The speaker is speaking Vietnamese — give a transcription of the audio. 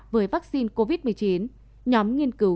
với vaccine covid một mươi chín nhóm nghiên cứu